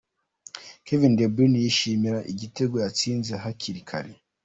Kevin De Bryne yishimira igitego yatsinze hakiri kare.